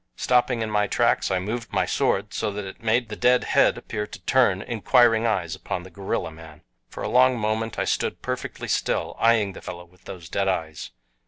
Stopping in my tracks I moved my sword so that it made the dead head appear to turn inquiring eyes upon the gorilla man. For a long moment I stood perfectly still, eyeing the fellow with those dead eyes.